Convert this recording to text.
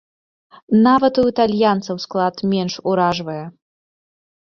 Нават у італьянцаў склад менш уражвае.